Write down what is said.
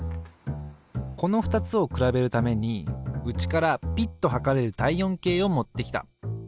この２つを比べるためにうちからぴっと測れる体温計を持ってきた。